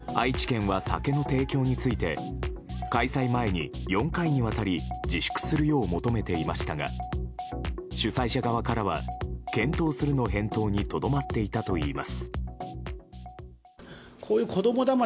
愛知県は酒の提供について開催前に４回にわたり自粛するよう求めていましたが主催者側からは検討するの返答にとどまっていたといいます。